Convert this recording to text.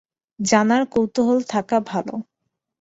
জানার কৌতুহল থাকা ভালো।